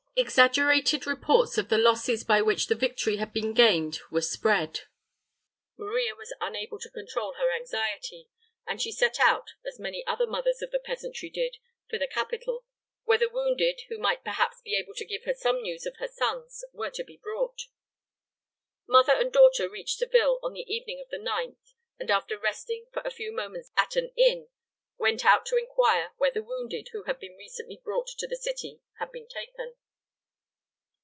Exaggerated reports of the losses by which the victory had been gained were spread. Maria was unable to control her anxiety, and she set out, as many other mothers of the peasantry did, for the capital, where the wounded, who might perhaps be able to give her some news of her sons, were to be brought. Mother and daughter reached Seville on the evening of the 9th, and after resting for a few moments at an inn, went out to inquire where the wounded, who had been recently brought to the city, had been taken.